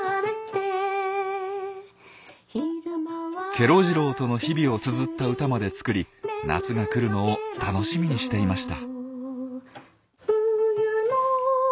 ケロ次郎との日々をつづった歌まで作り夏が来るのを楽しみにしていました。